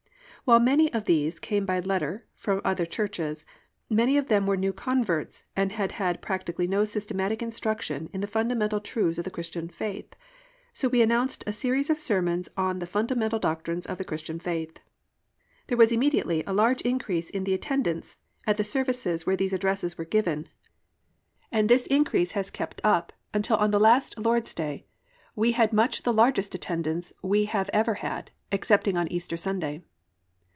While many of these came by letter from other churches, many of them were new converts and had had practically no systematic instruction in the fundamental truths of the Christian faith, so we announced a series of sermons on The Fundamental Doctrines of the Christian Faith. There was immediately a large increase in the attendance at the services where these addresses were given, and this increase has kept up until on the last Lord's Day we had much the largest attendance we have ever had, excepting on Easter Sunday.